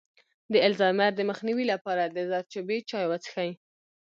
د الزایمر د مخنیوي لپاره د زردچوبې چای وڅښئ